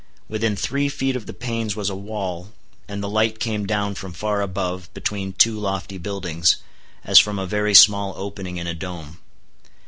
Within three feet of the panes was a wall, and the light came down from far above, between two lofty buildings, as from a very small opening in a dome.